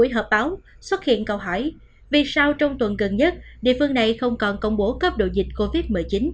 hợp báo xuất hiện câu hỏi vì sao trong tuần gần nhất địa phương này không còn công bố cấp độ dịch covid một mươi chín